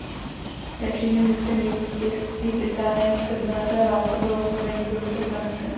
Nepřímým ziskem vítězství Británie v sedmileté válce bylo oslabení pozice Francie.